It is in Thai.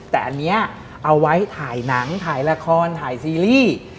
แต่อันนี้เอาไว้ถ่ายหนังถ่ายละครถ่ายซีรีส์